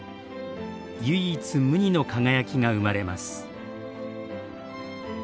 唯一無二の輝きが生まれます。